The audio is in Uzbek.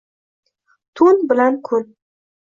Tun bilan kun